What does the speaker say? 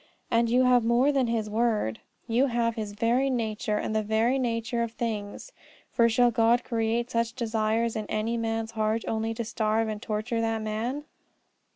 And you have more than His word: you have His very nature, and the very nature of things. For shall God create such desires in any man's heart only to starve and torture that man?